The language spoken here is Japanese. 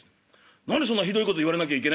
「何でそんなひどいこと言われなきゃいけないんだ」。